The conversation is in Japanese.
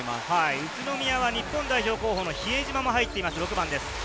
宇都宮は日本代表候補の比江島が入っています、６番です。